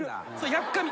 やっかみ。